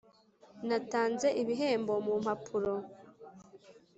natanze ibihembo mu mpapuro